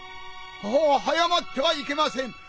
ああはやまってはいけません！